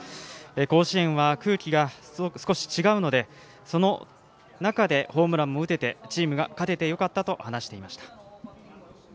甲子園は空気が少し違うのでその中でホームランも打ててチームも勝ててよかったと話していました。